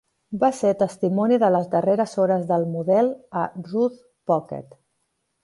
Va ser testimoni de les darreres hores del Model a Ruhr Pocket.